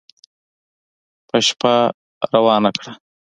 په شپه روانه کړه